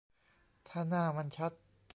ถ้าหน้ามันชัด